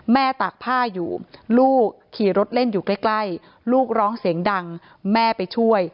ตากผ้าอยู่ลูกขี่รถเล่นอยู่ใกล้ลูกร้องเสียงดังแม่ไปช่วย